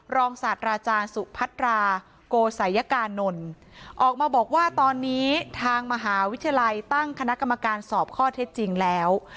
ศาสตราจารย์สุพัตราโกศัยกานนท์ออกมาบอกว่าตอนนี้ทางมหาวิทยาลัยตั้งคณะกรรมการสอบข้อเท็จจริงแล้ว